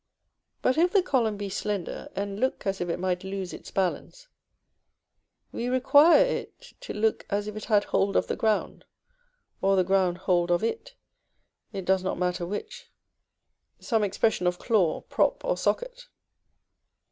But if the column be slender, and look as if it might lose its balance, we require it to look as if it had hold of the ground, or the ground hold of it, it does not matter which, some expression of claw, prop, or socket.